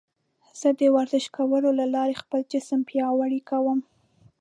زه د ورزش کولو له لارې خپل جسم پیاوړی کوم.